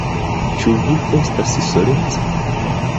Ĉu vi estas soleca?